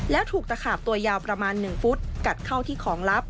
แล้วถูกตะขาบตัวยาวประมาณ๑ฟุตกัดเข้าที่ของลับ